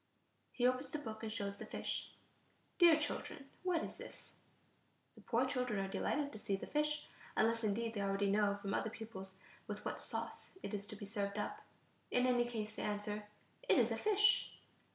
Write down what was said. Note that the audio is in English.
He opens the book and shows the fish. "Dear children, what is this?" The poor children are delighted to see the fish, unless indeed they already know from other pupils with what sauce it is to be served up. In any case, they answer: "It is a fish."